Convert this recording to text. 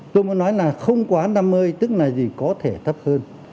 tôi muốn nói là không quá năm mươi tức là gì có thể thấp hơn